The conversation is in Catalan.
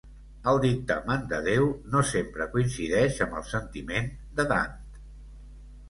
El dictamen de Déu no sempre coincideix amb el sentiment de Dante.